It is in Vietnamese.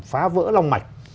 phá vỡ long mạch